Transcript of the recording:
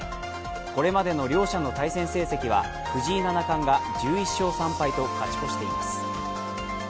これまでの両者の対戦成績は藤井七冠が１１勝３敗と勝ち越しています。